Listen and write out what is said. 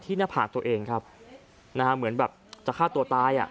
หน้าผากตัวเองครับนะฮะเหมือนแบบจะฆ่าตัวตายอ่ะ